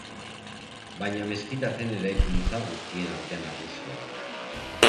Baina meskita zen eraikuntza guztien artean nagusia.